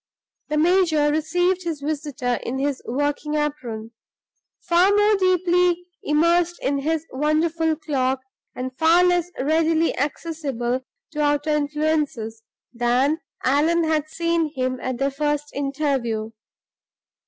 The major received his visitor in his working apron far more deeply immersed in his wonderful clock, and far less readily accessible to outer influences, than Allan had seen him at their first interview.